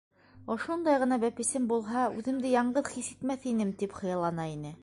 Ошондай ғына бәпесем булһа, үҙемде яңғыҙ хис итмәҫ инем, тип хыяллана ине.